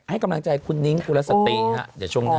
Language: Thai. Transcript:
ให้กำลังใจคุณนิ้งอุลสติฮะ